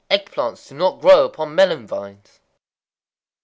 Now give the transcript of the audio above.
_ Egg plants do not grow upon melon vines.